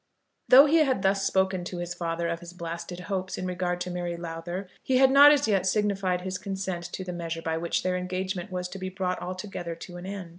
Though he had thus spoken to his father of his blasted hopes in regard to Mary Lowther, he had not as yet signified his consent to the measure by which their engagement was to be brought altogether to an end.